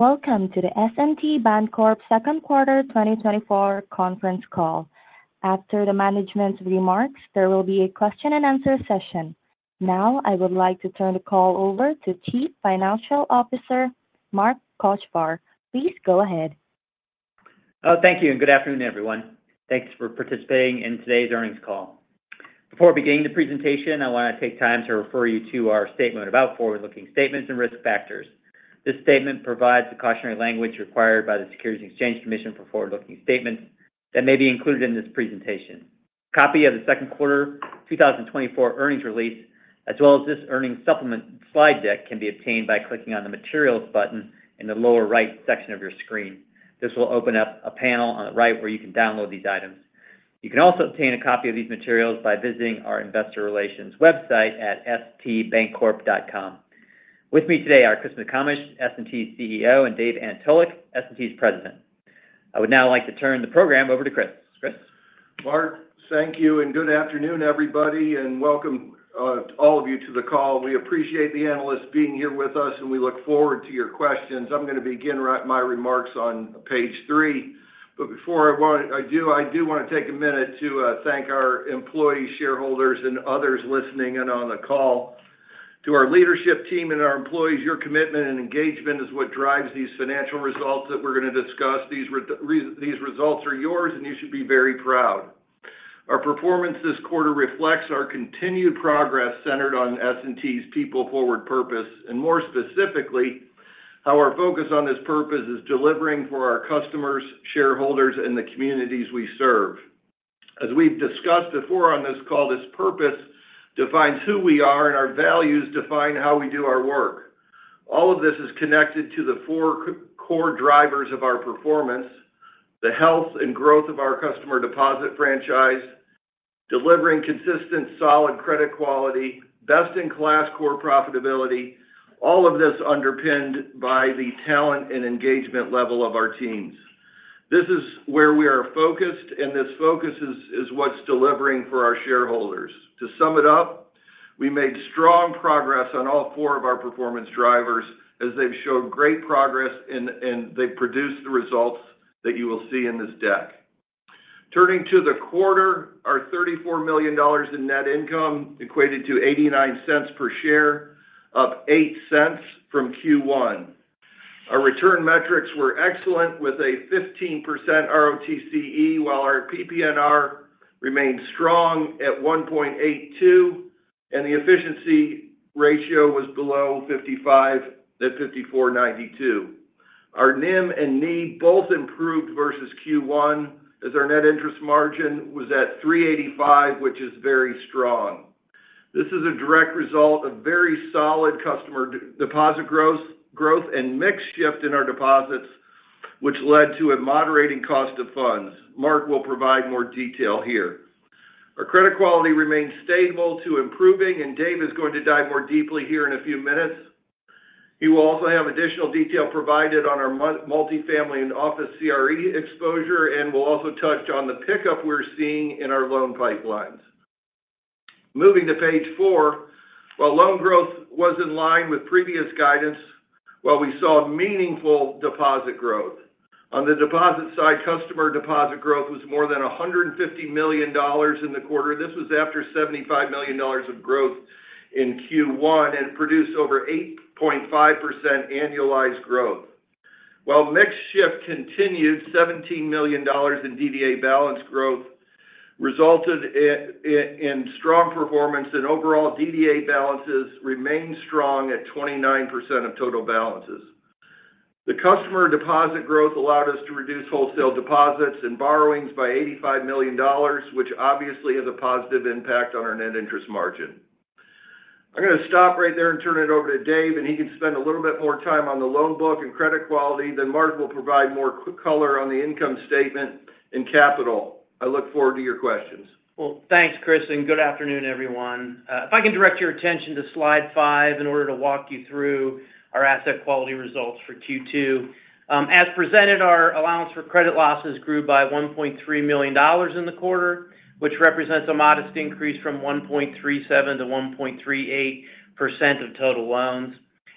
Welcome to the S&T Bancorp second quarter 2024 conference call. After the management's remarks, there will be a question and answer session. Now, I would like to turn the call over to Chief Financial Officer, Mark Kochvar. Please go ahead. Oh, thank you, and good afternoon, everyone. Thanks for participating in today's earnings call. Before beginning the presentation, I want to take time to refer you to our statement about forward-looking statements and risk factors. This statement provides the cautionary language required by the Securities and Exchange Commission for forward-looking statements that may be included in this presentation. Copy of the second quarter 2024 earnings release, as well as this earnings supplement slide deck, can be obtained by clicking on the Materials button in the lower right section of your screen. This will open up a panel on the right where you can download these items. You can also obtain a copy of these materials by visiting our investor relations website at stbancorp.com. With me today are Chris McComish, S&T's CEO, and Dave Antolik, S&T's President. I would now like to turn the program over to Chris. Chris? Mark, thank you, and good afternoon, everybody, and welcome to all of you to the call. We appreciate the analysts being here with us, and we look forward to your questions. I'm going to begin my remarks on page three, but before I do, I do want to take a minute to thank our employees, shareholders, and others listening in on the call. To our leadership team and our employees, your commitment and engagement is what drives these financial results that we're going to discuss. These results are yours, and you should be very proud. Our performance this quarter reflects our continued progress centered on S&T's people-forward purpose, and more specifically, how our focus on this purpose is delivering for our customers, shareholders, and the communities we serve. As we've discussed before on this call, this purpose defines who we are, and our values define how we do our work. All of this is connected to the four core drivers of our performance: the health and growth of our customer deposit franchise, delivering consistent, solid credit quality, best-in-class core profitability, all of this underpinned by the talent and engagement level of our teams. This is where we are focused, and this focus is what's delivering for our shareholders. To sum it up, we made strong progress on all four of our performance drivers as they've showed great progress and they've produced the results that you will see in this deck. Turning to the quarter, our $34 million in net income equated to $0.89 per share, up 8 cents from Q1. Our return metrics were excellent, with a 15% ROTCE, while our PPNR remained strong at 1.82, and the efficiency ratio was below 55 at 54.92. Our NII and NIM both improved versus Q1, as our net interest margin was at 3.85, which is very strong. This is a direct result of very solid customer deposit growth and mix shift in our deposits, which led to a moderating cost of funds. Mark will provide more detail here. Our credit quality remains stable to improving, and Dave is going to dive more deeply here in a few minutes. He will also have additional detail provided on our multifamily and office CRE exposure, and we'll also touch on the pickup we're seeing in our loan pipelines. Moving to page four, while loan growth was in line with previous guidance, while we saw meaningful deposit growth. On the deposit side, customer deposit growth was more than $150 million in the quarter. This was after $75 million of growth in Q1 and produced over 8.5% annualized growth. While mix shift continued, $17 million in DDA balance growth resulted in strong performance and overall DDA balances remained strong at 29% of total balances. The customer deposit growth allowed us to reduce wholesale deposits and borrowings by $85 million, which obviously has a positive impact on our net interest margin. I'm going to stop right there and turn it over to Dave, and he can spend a little bit more time on the loan book and credit quality. Then Mark will provide more color on the income statement and capital. I look forward to your questions. Well, thanks, Chris, and good afternoon, everyone. If I can direct your attention to slide five in order to walk you through our asset quality results for Q2. As presented, our allowance for credit losses grew by $1.3 million in the quarter, which represents a modest increase from 1.37% to 1.38% of total loans.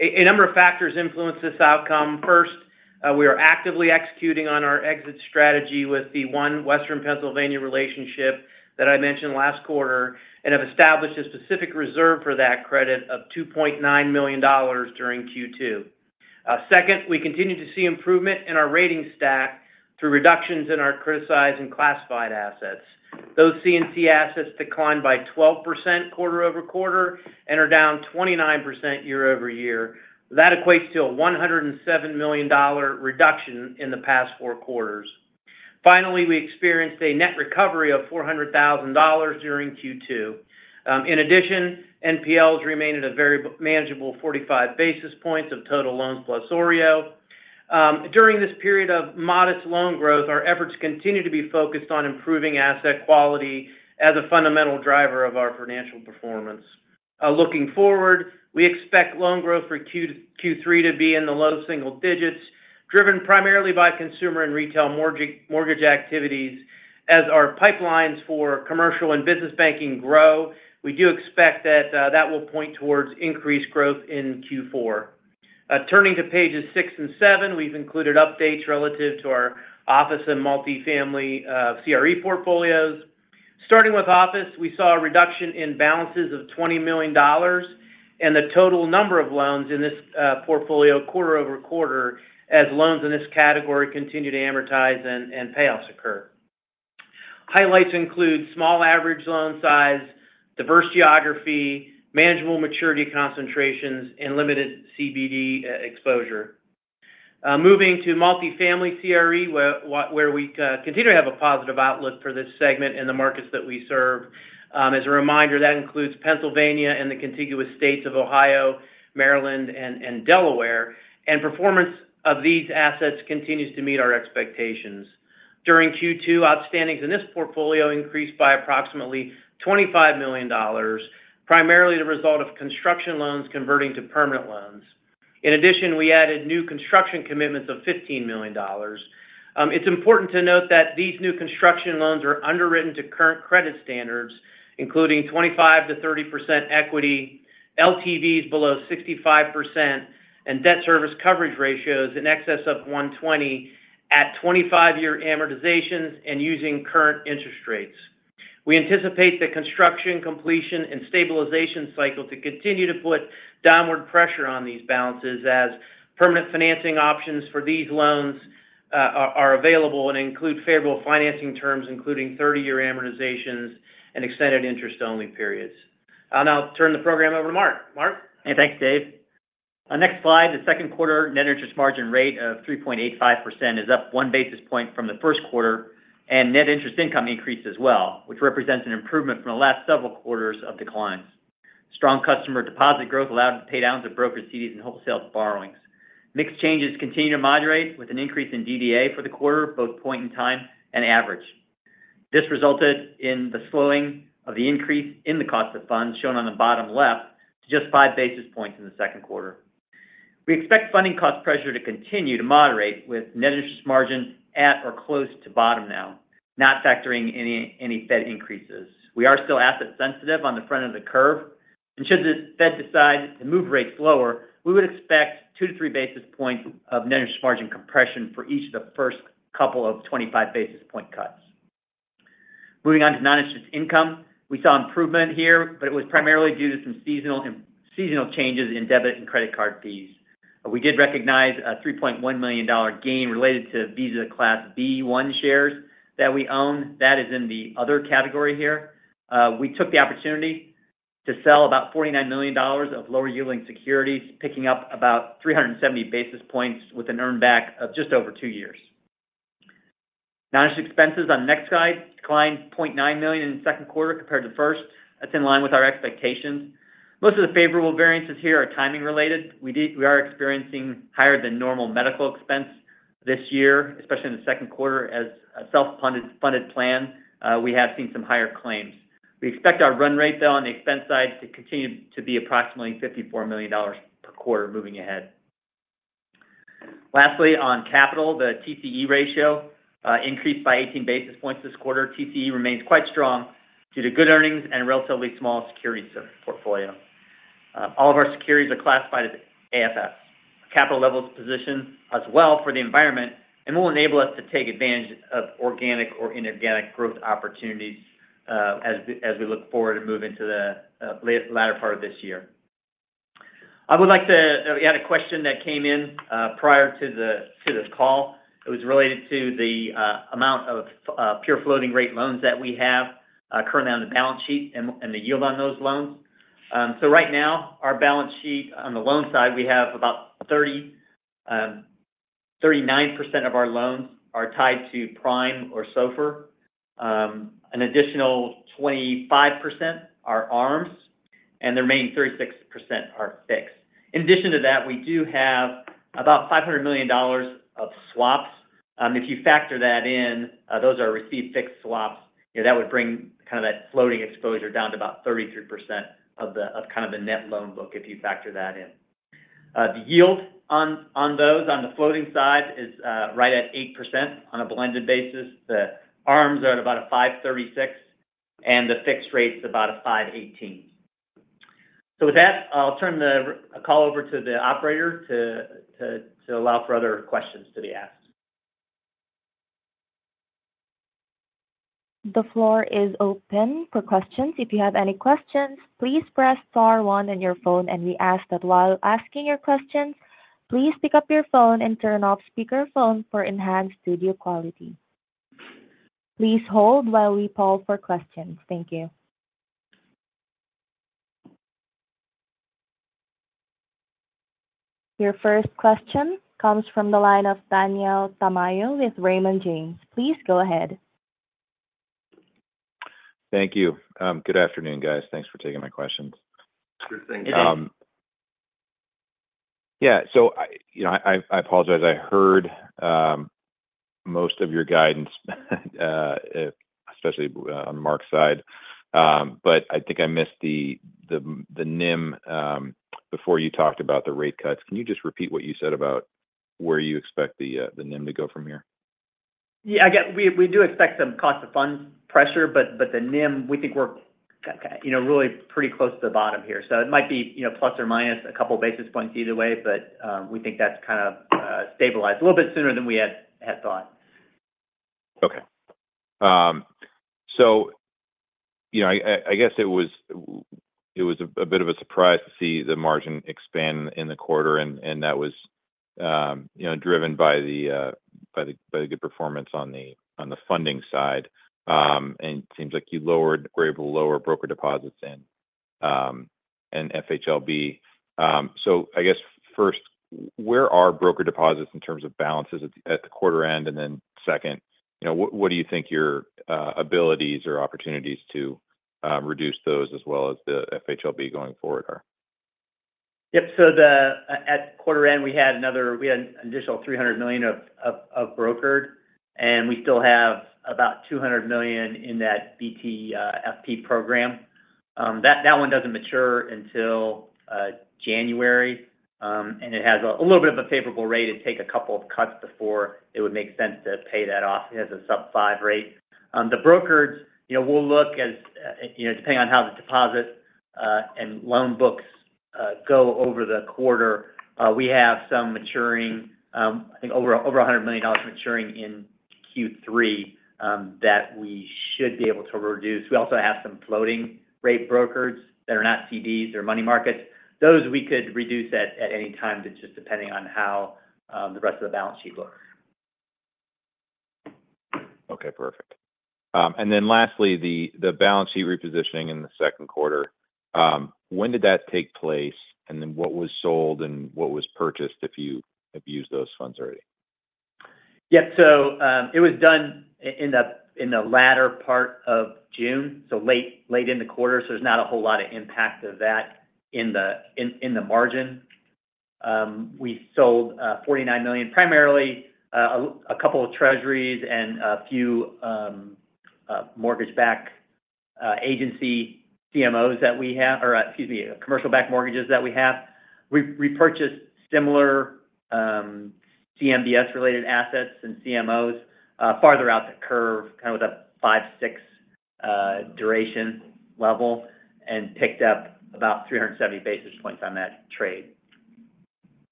A number of factors influenced this outcome. First, we are actively executing on our exit strategy with the one Western Pennsylvania relationship that I mentioned last quarter and have established a specific reserve for that credit of $2.9 million during Q2. Second, we continue to see improvement in our rating stack through reductions in our criticized and classified assets. Those C and C assets declined by 12% quarter-over-quarter and are down 29% year-over-year. That equates to a $107 million reduction in the past four quarters. Finally, we experienced a net recovery of $400,000 during Q2. In addition, NPLs remain at a very manageable 45 basis points of total loans plus OREO. During this period of modest loan growth, our efforts continue to be focused on improving asset quality as a fundamental driver of our financial performance. Looking forward, we expect loan growth for Q2 to Q3 to be in the low single digits, driven primarily by consumer and retail mortgage activities. As our pipelines for commercial and business banking grow, we do expect that, that will point towards increased growth in Q4. Turning to pages 6 and 7, we've included updates relative to our office and multifamily, CRE portfolios. Starting with office, we saw a reduction in balances of $20 million, and the total number of loans in this, portfolio quarter-over-quarter, as loans in this category continue to amortize and, payoffs occur. Highlights include small average loan size, diverse geography, manageable maturity concentrations, and limited CBD, exposure. Moving to multifamily CRE, where we continue to have a positive outlook for this segment in the markets that we serve. As a reminder, that includes Pennsylvania and the contiguous states of Ohio, Maryland, and, Delaware. And performance of these assets continues to meet our expectations. During Q2, outstandings in this portfolio increased by approximately $25 million, primarily the result of construction loans converting to permanent loans. In addition, we added new construction commitments of $15 million. It's important to note that these new construction loans are underwritten to current credit standards, including 25%-30% equity, LTVs below 65%, and debt service coverage ratios in excess of 1.20 at 25-year amortizations and using current interest rates. We anticipate the construction, completion, and stabilization cycle to continue to put downward pressure on these balances as permanent financing options for these loans are available and include favorable financing terms, including 30-year amortizations and extended interest-only periods. I'll now turn the program over to Mark. Mark? Hey, thanks, Dave. On next slide, the second quarter net interest margin rate of 3.85% is up one basis point from the first quarter, and net interest income increased as well, which represents an improvement from the last several quarters of declines. Strong customer deposit growth allowed to pay downs of brokered CDs and wholesale borrowings. Mixed changes continue to moderate, with an increase in DDA for the quarter, both point in time and average. This resulted in the slowing of the increase in the cost of funds, shown on the bottom left, to just five basis points in the second quarter. We expect funding cost pressure to continue to moderate with net interest margin at or close to bottom now, not factoring any, any Fed increases. We are still asset sensitive on the front of the curve, and should the Fed decide to move rates lower, we would expect 2-3 basis points of net interest margin compression for each of the first couple of 25 basis point cuts. Moving on to non-interest income. We saw improvement here, but it was primarily due to some seasonal changes in debit and credit card fees. We did recognize a $3.1 million gain related to Visa Class B-1 shares that we own. That is in the other category here. We took the opportunity to sell about $49 million of lower-yielding securities, picking up about 370 basis points with an earn back of just over two years. Non-interest expenses, on next slide, declined $0.9 million in the second quarter compared to first. That's in line with our expectations. Most of the favorable variances here are timing related. We are experiencing higher than normal medical expense this year, especially in the second quarter. As a self-funded plan, we have seen some higher claims. We expect our run rate, though, on the expense side to continue to be approximately $54 million per quarter moving ahead. Lastly, on capital, the TCE ratio increased by 18 basis points this quarter. TCE remains quite strong due to good earnings and relatively small securities portfolio. All of our securities are classified as AFS. Capital levels position as well for the environment and will enable us to take advantage of organic or inorganic growth opportunities, as we look forward and move into the latter part of this year. I would like to... We had a question that came in prior to this call. It was related to the amount of pure floating rate loans that we have currently on the balance sheet and the yield on those loans. So right now, our balance sheet on the loan side, we have about 39% of our loans are tied to Prime or SOFR. An additional 25% are ARMs, and the remaining 36% are fixed. In addition to that, we do have about $500 million of swaps. If you factor that in, those are received fixed swaps, that would bring kind of that floating exposure down to about 33% of the net loan book, if you factor that in. The yield on those on the floating side is right at 8% on a blended basis. The ARMs are at about a 5.36, and the fixed rate is about a 5.18. So with that, I'll turn the call over to the operator to allow for other questions to be asked. The floor is open for questions. If you have any questions, please press star one on your phone, and we ask that while asking your questions, please pick up your phone and turn off speakerphone for enhanced studio quality. Please hold while we poll for questions. Thank you. Your first question comes from the line of Daniel Tamayo with Raymond James. Please go ahead. Thank you. Good afternoon, guys. Thanks for taking my questions. Good. Thank you. Good day. Yeah, so I, you know, I apologize. I heard most of your guidance, especially on Mark's side, but I think I missed the NIM before you talked about the rate cuts. Can you just repeat what you said about where you expect the NIM to go from here?... Yeah, again, we do expect some cost of funds pressure, but the NIM, we think we're you know really pretty close to the bottom here. So it might be, you know, plus or minus a couple basis points either way, but we think that's kind of stabilized a little bit sooner than we had thought. Okay. So, you know, I guess it was—it was a bit of a surprise to see the margin expand in the quarter, and that was, you know, driven by the good performance on the funding side. And it seems like you were able to lower broker deposits and FHLB. So I guess first, where are broker deposits in terms of balances at the quarter end? And then second, you know, what do you think your abilities or opportunities to reduce those as well as the FHLB going forward are? Yep. So at quarter end, we had an additional $300 million of brokered, and we still have about $200 million in that BTFP program. That one doesn't mature until January, and it has a little bit of a favorable rate. It'd take a couple of cuts before it would make sense to pay that off. It has a sub-5 rate. The brokers, you know, we'll look as, you know, depending on how the deposit and loan books go over the quarter. We have some maturing, I think over $100 million maturing in Q3, that we should be able to reduce. We also have some floating rate brokers that are not CDs or money markets. Those we could reduce at any time. It's just depending on how the rest of the balance sheet looks. Okay, perfect. And then lastly, the balance sheet repositioning in the second quarter, when did that take place? And then what was sold and what was purchased, if you have used those funds already? Yep. So, it was done in the latter part of June, so late in the quarter, so there's not a whole lot of impact of that in the margin. We sold $49 million, primarily a couple of treasuries and a few mortgage-backed agency CMOs that we have, or, excuse me, commercial-backed mortgages that we have. We repurchased similar CMBS-related assets and CMOs farther out the curve, kind of with a 5-6 duration level, and picked up about 370 basis points on that trade.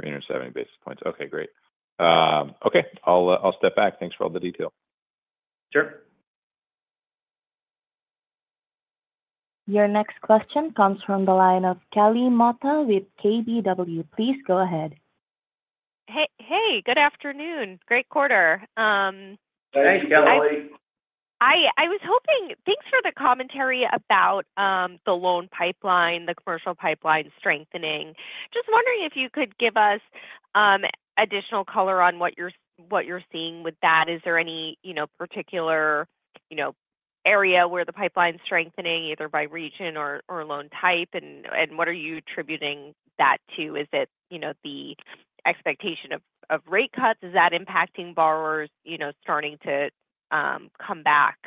370 basis points. Okay, great. Okay, I'll, I'll step back. Thanks for all the detail. Sure. Your next question comes from the line of Kelly Motta with KBW. Please go ahead. Hey, hey, good afternoon. Great quarter. Thanks, Kelly. I was hoping—thanks for the commentary about the loan pipeline, the commercial pipeline strengthening. Just wondering if you could give us additional color on what you're, what you're seeing with that. Is there any, you know, particular, you know, area where the pipeline is strengthening, either by region or, or loan type? And what are you attributing that to? Is it, you know, the expectation of rate cuts? Is that impacting borrowers, you know, starting to come back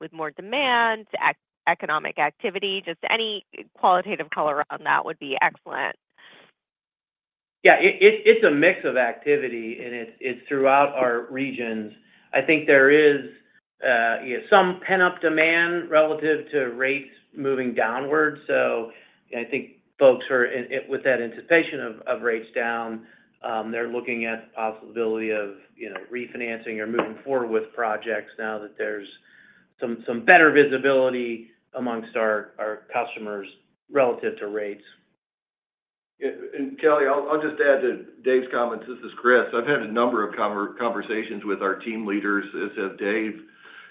with more demand, economic activity? Just any qualitative color around that would be excellent. Yeah, it's a mix of activity, and it's throughout our regions. I think there is some pent-up demand relative to rates moving downwards. So I think folks are in it with that anticipation of rates down. They're looking at the possibility of, you know, refinancing or moving forward with projects now that there's some better visibility amongst our customers relative to rates. Yeah, and Kelly, I'll just add to Dave's comments. This is Chris. I've had a number of conversations with our team leaders, as have Dave,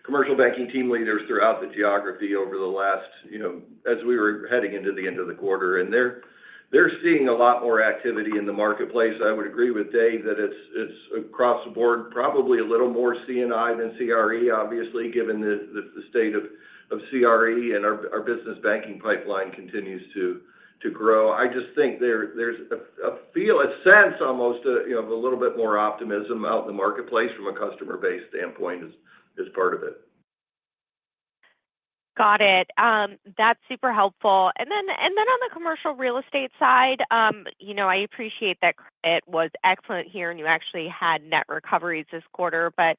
commercial banking team leaders throughout the geography over the last, you know, as we were heading into the end of the quarter. And they're seeing a lot more activity in the marketplace. I would agree with Dave that it's across the board, probably a little more C&I than CRE, obviously, given the state of CRE and our business banking pipeline continues to grow. I just think there's a feel, a sense almost, you know, a little bit more optimism out in the marketplace from a customer base standpoint is part of it. Got it. That's super helpful. And then on the commercial real estate side, you know, I appreciate that it was excellent here, and you actually had net recoveries this quarter. But,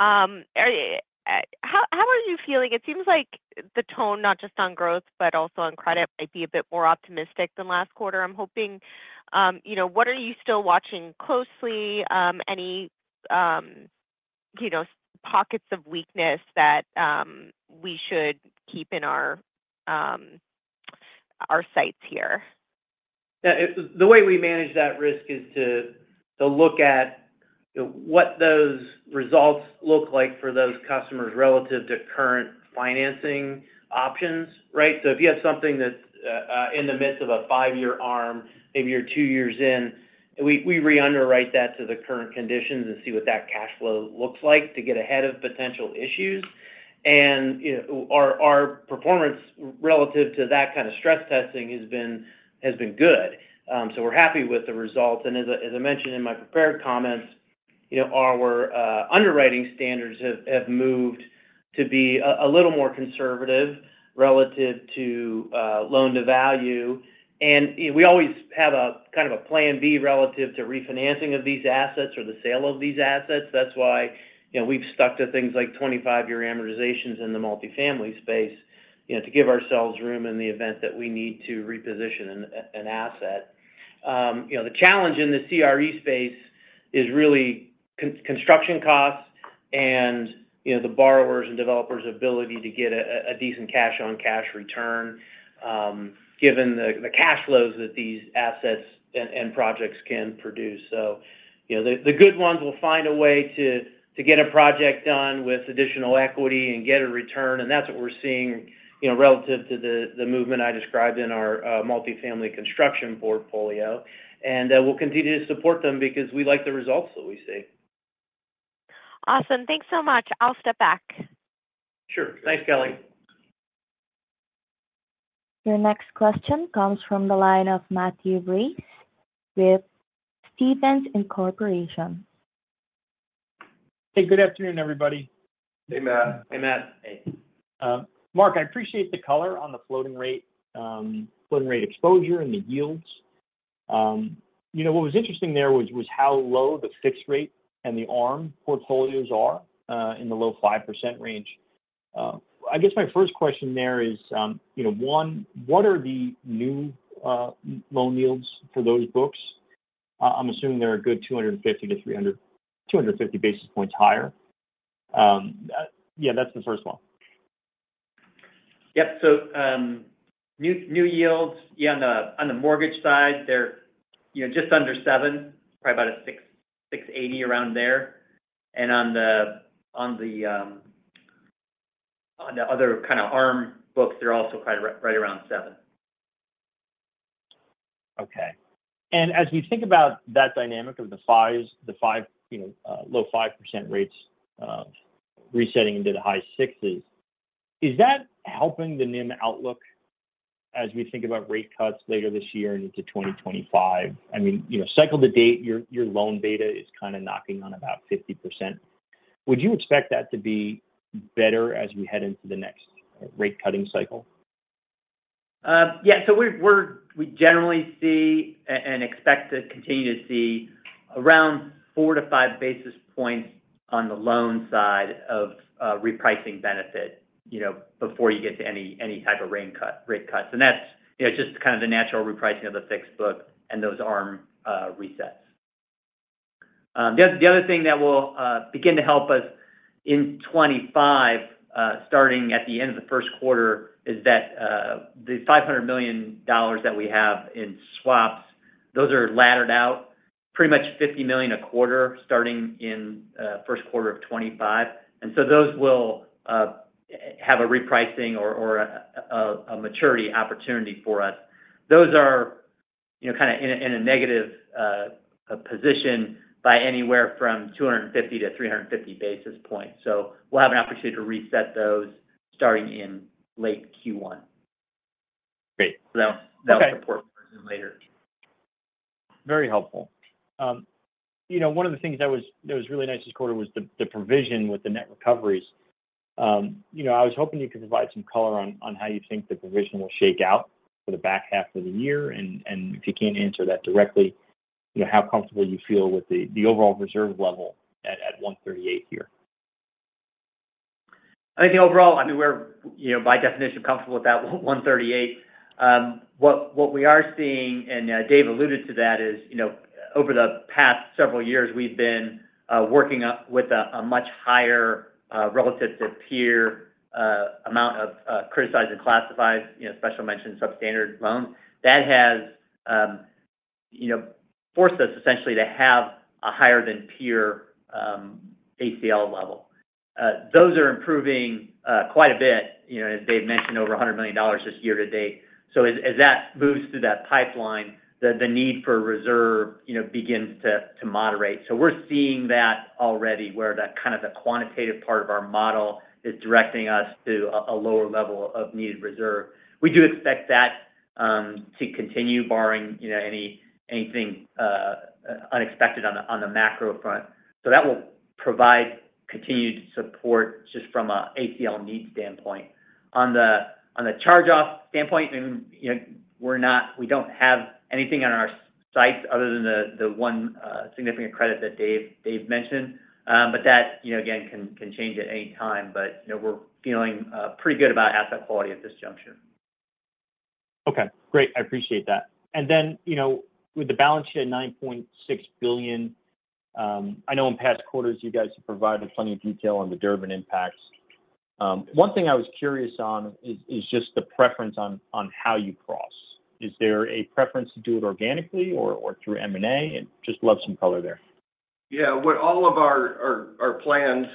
how are you feeling? It seems like the tone, not just on growth, but also on credit, might be a bit more optimistic than last quarter, I'm hoping. You know, what are you still watching closely? Any, you know, pockets of weakness that we should keep in our sights here? The way we manage that risk is to look at what those results look like for those customers relative to current financing options, right? So if you have something that's in the midst of a 5-year ARM, maybe you're 2 years in, we re-underwrite that to the current conditions and see what that cash flow looks like to get ahead of potential issues. And, you know, our performance relative to that kind of stress testing has been good. So we're happy with the results. And as I mentioned in my prepared comments, you know, our underwriting standards have moved to be a little more conservative relative to loan-to-value. And, you know, we always have a kind of a plan B relative to refinancing of these assets or the sale of these assets. That's why, you know, we've stuck to things like 25-year amortizations in the multifamily space, you know, to give ourselves room in the event that we need to reposition an asset. You know, the challenge in the CRE space is really construction costs and, you know, the borrowers' and developers' ability to get a decent cash-on-cash return, given the cash flows that these assets and projects can produce. So, you know, the good ones will find a way to get a project done with additional equity and get a return, and that's what we're seeing, you know, relative to the movement I described in our multifamily construction portfolio. And we'll continue to support them because we like the results that we see. Awesome. Thanks so much. I'll step back. Sure. Thanks, Kelly. Your next question comes from the line of Matthew Breese with Stephens. Hey, good afternoon, everybody. Hey, Matt. Hey, Matt. Hey. Mark, I appreciate the color on the floating rate, floating rate exposure and the yields. You know, what was interesting there was how low the fixed rate and the ARM portfolios are, in the low 5% range. I guess my first question there is, you know, one, what are the new, loan yields for those books? I'm assuming they're a good 250 to 300-- 250 basis points higher. Yeah, that's the first one. Yep. So, new yields, yeah, on the mortgage side, they're, you know, just under 7, probably about a 6.68 around there. And on the other kind of ARM books, they're also quite around right around 7. Okay. And as we think about that dynamic of the fives, the five, you know, low 5% rates, resetting into the high 60s, is that helping the NIM outlook as we think about rate cuts later this year and into 2025? I mean, you know, cycle to date, your, your loan beta is kind of knocking on about 50%. Would you expect that to be better as we head into the next rate cutting cycle? Yeah. So we generally see and expect to continue to see around 4-5 basis points on the loan side of repricing benefit, you know, before you get to any type of rate cuts. And that's, you know, just kind of the natural repricing of the fixed book and those ARM resets. The other thing that will begin to help us in 2025, starting at the end of the first quarter, is that the $500 million that we have in swaps, those are laddered out pretty much $50 million a quarter, starting in first quarter of 2025. And so those will have a repricing or a maturity opportunity for us. Those are, you know, kind of in a negative position by anywhere from 250-350 basis points. So we'll have an opportunity to reset those starting in late Q1. Great. So that- Okay... that will support later. Very helpful. You know, one of the things that was really nice this quarter was the provision with the net recoveries. You know, I was hoping you could provide some color on how you think the provision will shake out for the back half of the year. And if you can't answer that directly, you know, how comfortable you feel with the overall reserve level at 1.38 here? I think overall, I mean, we're, you know, by definition, comfortable with that 138. What we are seeing, and Dave alluded to that, is, you know, over the past several years, we've been working up with a much higher, relative to peer, amount of criticized and classified, you know, special mention substandard loans. That has, you know, forced us, essentially, to have a higher than peer ACL level. Those are improving quite a bit, you know, as Dave mentioned, over $100 million this year to date. So as that moves through that pipeline, the need for reserve, you know, begins to moderate. So we're seeing that already, where the kind of quantitative part of our model is directing us to a lower level of needed reserve. We do expect that to continue barring, you know, anything unexpected on the macro front. So that will provide continued support just from a ACL need standpoint. On the charge-off standpoint, I mean, you know, we're not, we don't have anything in our sights other than the one significant credit that Dave, Dave mentioned. But that, you know, again, can change at any time. But, you know, we're feeling pretty good about asset quality at this juncture. Okay, great. I appreciate that. And then, you know, with the balance sheet at $9.6 billion, I know in past quarters you guys have provided plenty of detail on the Durbin impacts. One thing I was curious on is just the preference on how you cross. Is there a preference to do it organically or through M&A? And just love some color there. Yeah. What all of our plans,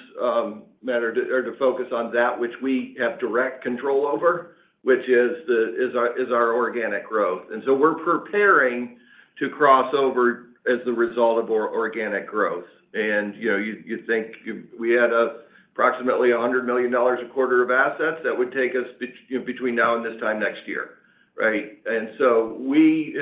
Matt, are to focus on that which we have direct control over, which is our organic growth. And so we're preparing to cross over as the result of organic growth. And, you know, we had approximately $100 million a quarter of assets. That would take us, you know, between now and this time next year... Right? And so we've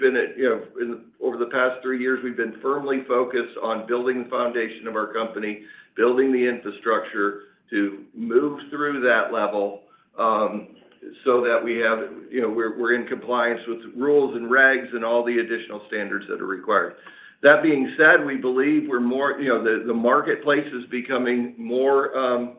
been, you know, over the past three years, we've been firmly focused on building the foundation of our company, building the infrastructure to move through that level, so that we have, you know, we're in compliance with rules and regs and all the additional standards that are required. That being said, we believe we're more, you know, the marketplace is becoming more,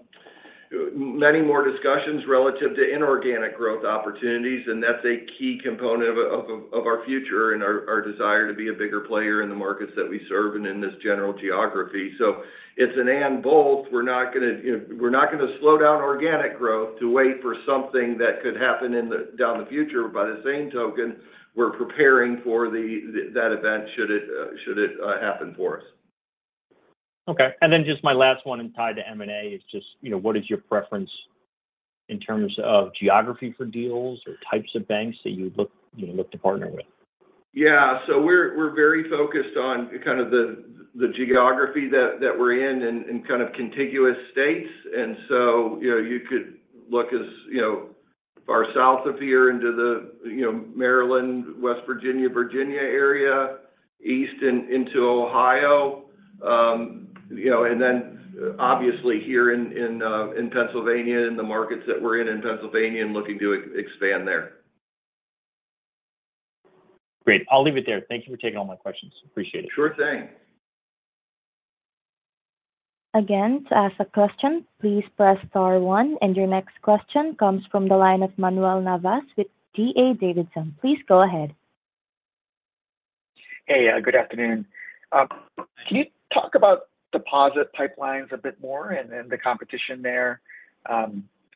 many more discussions relative to inorganic growth opportunities, and that's a key component of our future and our desire to be a bigger player in the markets that we serve and in this general geography. So it's an and both. We're not gonna, you know, we're not gonna slow down organic growth to wait for something that could happen in the future. But by the same token, we're preparing for that event, should it happen for us. Okay. Then just my last one and tied to M&A is just, you know, what is your preference in terms of geography for deals or types of banks that you'd look, you know, look to partner with? Yeah. So we're very focused on kind of the geography that we're in and kind of contiguous states. And so, you know, you could look as, you know, far south of here into the, you know, Maryland, West Virginia, Virginia area, east into Ohio, you know, and then obviously here in Pennsylvania, in the markets that we're in, in Pennsylvania and looking to expand there. Great. I'll leave it there. Thank you for taking all my questions. Appreciate it. Sure thing. Again, to ask a question, please press star one, and your next question comes from the line of Manuel Navas with D.A. Davidson. Please go ahead. Hey, good afternoon. Can you talk about deposit pipelines a bit more and the competition there?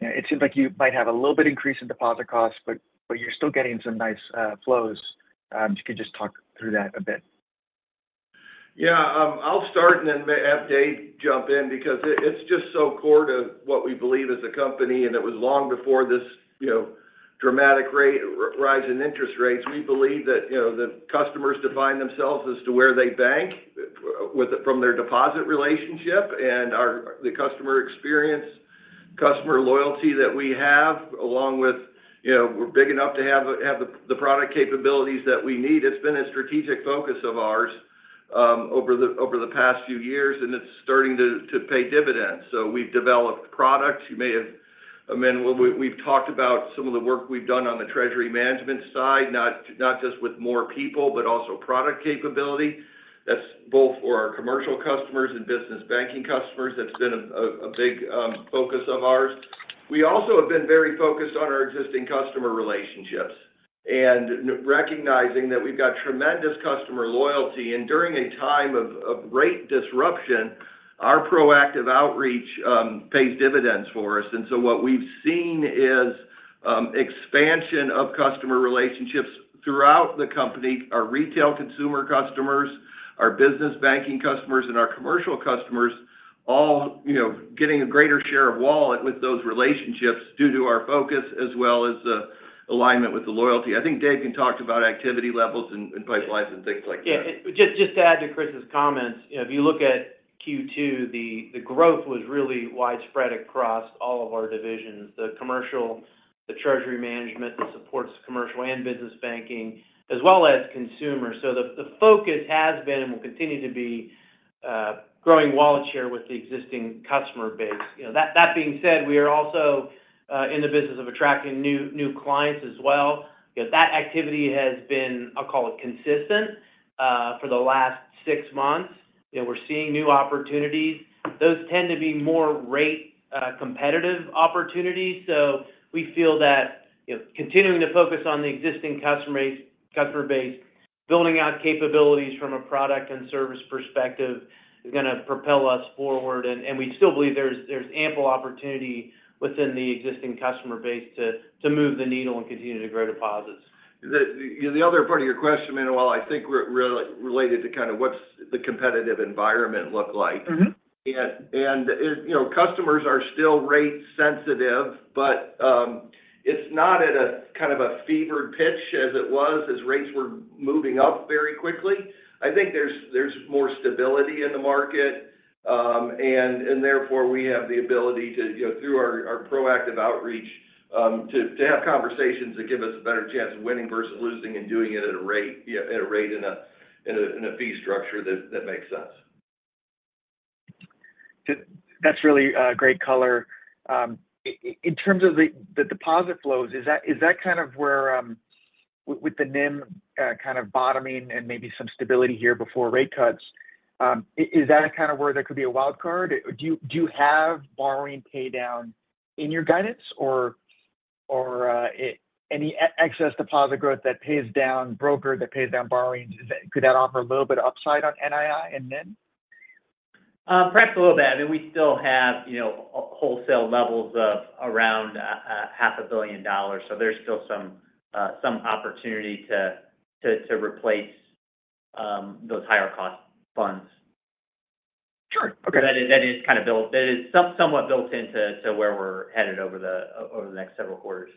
It seems like you might have a little bit increase in deposit costs, but you're still getting some nice flows. If you could just talk through that a bit. Yeah, I'll start and then have Dave jump in because it's just so core to what we believe as a company, and it was long before this, you know, dramatic rate rise in interest rates. We believe that, you know, the customers define themselves as to where they bank with from their deposit relationship and our, the customer experience, customer loyalty that we have, along with, you know, we're big enough to have the product capabilities that we need. It's been a strategic focus of ours over the past few years, and it's starting to pay dividends. So we've developed products. You may have, I mean, we've talked about some of the work we've done on the treasury management side, not just with more people, but also product capability. That's both for our commercial customers and business banking customers. That's been a big focus of ours. We also have been very focused on our existing customer relationships and recognizing that we've got tremendous customer loyalty. And during a time of great disruption, our proactive outreach pays dividends for us. And so what we've seen is expansion of customer relationships throughout the company, our retail consumer customers, our business banking customers, and our commercial customers, all, you know, getting a greater share of wallet with those relationships due to our focus as well as the alignment with the loyalty. I think Dave can talk about activity levels and pipelines and things like that. Yeah, just to add to Chris's comments, you know, if you look at Q2, the growth was really widespread across all of our divisions: the commercial, the treasury management that supports commercial and business banking, as well as consumer. So the focus has been and will continue to be growing wallet share with the existing customer base. You know, that being said, we are also in the business of attracting new clients as well. Because that activity has been, I'll call it, consistent for the last six months. You know, we're seeing new opportunities. Those tend to be more rate competitive opportunities. So we feel that, you know, continuing to focus on the existing customer base, building out capabilities from a product and service perspective is going to propel us forward. We still believe there's ample opportunity within the existing customer base to move the needle and continue to grow deposits. The other part of your question, Manuel, I think related to kind of what's the competitive environment look like. Mm-hmm. You know, customers are still rate sensitive, but it's not at a kind of a fevered pitch as it was as rates were moving up very quickly. I think there's more stability in the market, and therefore, we have the ability to, you know, through our proactive outreach, to have conversations that give us a better chance of winning versus losing and doing it at a rate and a fee structure that makes sense. That's really great color. In terms of the deposit flows, is that kind of where, with the NIM kind of bottoming and maybe some stability here before rate cuts, is that a kind of where there could be a wild card? Do you have borrowing paydown in your guidance or any excess deposit growth that pays down brokered, that pays down borrowings? Is that, could that offer a little bit of upside on NII and NIM? Perhaps a little bit. I mean, we still have, you know, wholesale levels of around $500 million, so there's still some opportunity to replace those higher cost funds. Sure. Okay. That is kind of somewhat built into where we're headed over the next several quarters.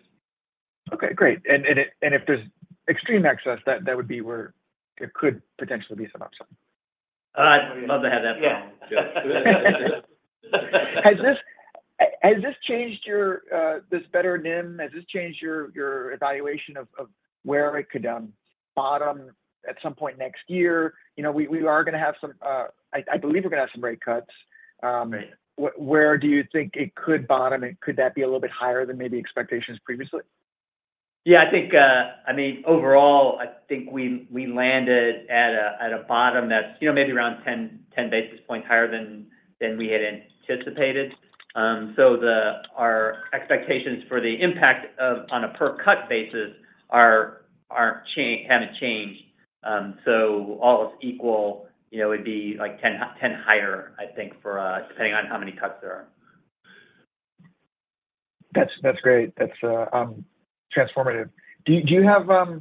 Okay, great. And if there's extreme excess, that would be where it could potentially be some upside?... I'd love to have that problem. Yeah. Has this better NIM changed your evaluation of where it could bottom at some point next year? You know, I believe we're gonna have some rate cuts. Right. Where do you think it could bottom, and could that be a little bit higher than maybe expectations previously? Yeah, I think, I mean, overall, I think we landed at a bottom that's, you know, maybe around 10 basis points higher than we had anticipated. So our expectations for the impact of on a per cut basis haven't changed. So all else equal, you know, it'd be like 10 higher, I think, for depending on how many cuts there are. That's great. That's transformative. Do you have a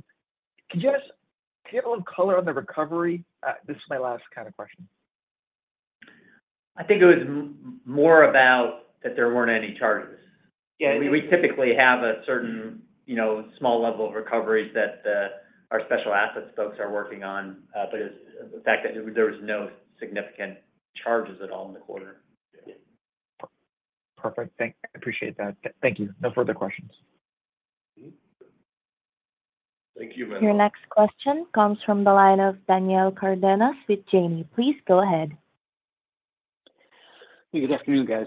little color on the recovery? This is my last kind of question. I think it was more about that there weren't any charges. Yeah. We typically have a certain, you know, small level of recoveries that our special assets folks are working on, but it's the fact that there was no significant charges at all in the quarter. Perfect. I appreciate that. Thank you. No further questions. Thank you, Manuel. Your next question comes from the line of Daniel Cardenas with Janney. Please go ahead. Good afternoon, guys.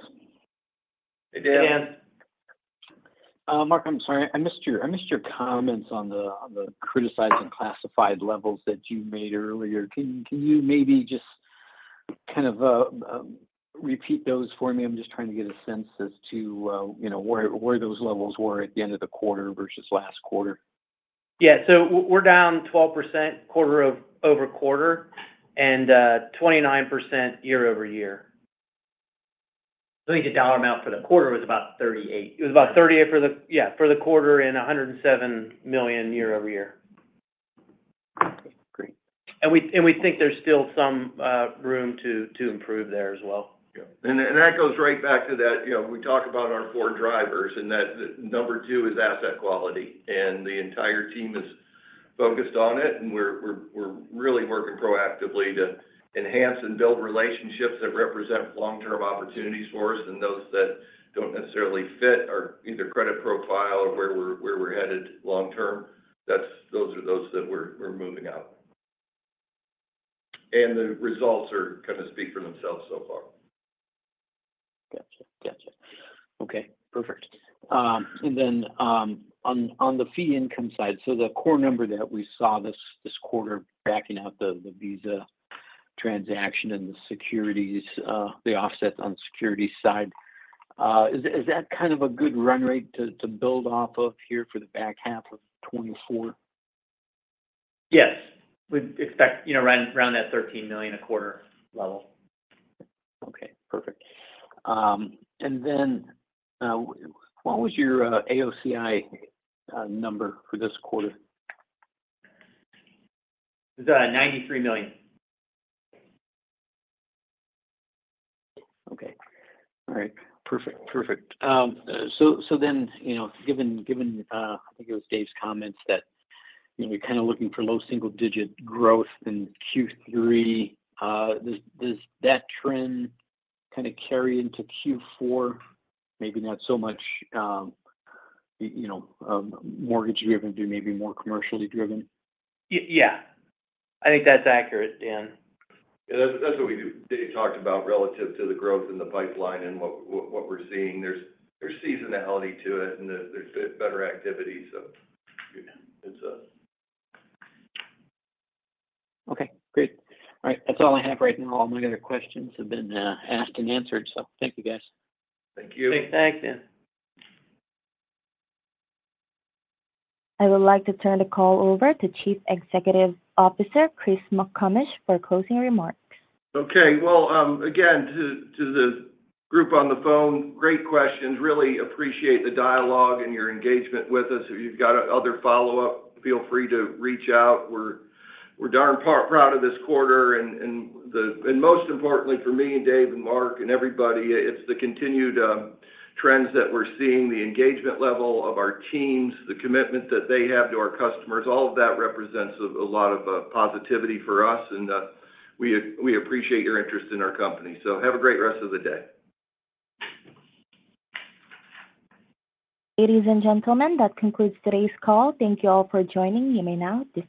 Hey, Dan. Hey, Dan. Mark, I'm sorry, I missed your comments on the criticized and classified levels that you made earlier. Can you maybe just kind of repeat those for me? I'm just trying to get a sense as to you know, where those levels were at the end of the quarter versus last quarter. Yeah. So we're down 12% quarter-over-quarter, and 29% year-over-year. I think the dollar amount for the quarter was about $38 million. It was about $38 million for the, yeah, for the quarter and $107 million year-over-year. Great. And we think there's still some room to improve there as well. Yeah. And that goes right back to that, you know, we talk about our four drivers, and that number two is asset quality, and the entire team is focused on it, and we're really working proactively to enhance and build relationships that represent long-term opportunities for us and those that don't necessarily fit our either credit profile or where we're headed long term. That's those are those that we're moving out. And the results kind of speak for themselves so far. Gotcha. Gotcha. Okay, perfect. And then, on the fee income side, so the core number that we saw this quarter, backing out the Visa transaction and the securities, the offsets on the security side, is that kind of a good run rate to build off of here for the back half of 2024? Yes. We'd expect, you know, around, around that $13 million a quarter level. Okay, perfect. And then, what was your AOCI number for this quarter? It's $93 million. Okay. All right. Perfect. Perfect. So, so then, you know, given, given, I think it was Dave's comments that, you know, you're kind of looking for low single-digit growth in Q3, does, does that trend kind of carry into Q4? Maybe not so much, you know, mortgage-driven to maybe more commercially driven. Yeah, I think that's accurate, Dan. Yeah, that's what we do. Dave talked about relative to the growth in the pipeline and what we're seeing. There's seasonality to it, and there's better activity, so it's... Okay, great. All right. That's all I have right now. All my other questions have been asked and answered, so thank you, guys. Thank you. Thanks, Dan. I would like to turn the call over to Chief Executive Officer, Chris McComish, for closing remarks. Okay. Well, again, to the group on the phone, great questions. Really appreciate the dialogue and your engagement with us. If you've got other follow-up, feel free to reach out. We're darn proud of this quarter and most importantly for me and Dave and Mark and everybody, it's the continued trends that we're seeing, the engagement level of our teams, the commitment that they have to our customers, all of that represents a lot of positivity for us, and we appreciate your interest in our company. So have a great rest of the day. Ladies and gentlemen, that concludes today's call. Thank you all for joining. You may now disconnect.